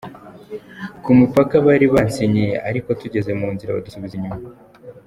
Ku mupaka bari bansinyiye ariko tugeze mu nzira badusubiza inyuma.”